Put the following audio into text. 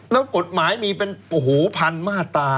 แล้วกฎหมายมีเป็นพันมาตรา